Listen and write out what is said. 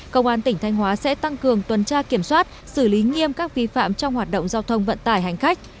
công an tỉnh thanh hóa sẽ tăng cường tuần tra kiểm soát xử lý nghiêm các vi phạm trong hoạt động giao thông vận tải hành khách